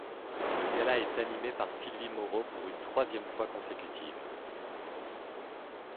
Le gala est animé par Sylvie Moreau pour une troisième fois consécutive.